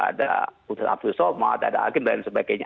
ada ustaz abdul somad ada agim dan sebagainya